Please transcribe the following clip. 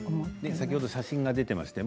先ほど写真が出ていましたね。